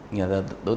người nãy taxi